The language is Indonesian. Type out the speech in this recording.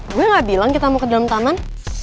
gue gak bilang kita mau ke dalam taman